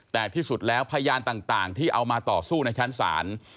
แต่ที่สุดแล้วพยานต่างที่เอามาต่อสู้ในชั้นศาล